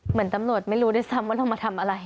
เหมือนตำรวจไม่รู้ด้วยซ้ำว่าเรามาทำอะไร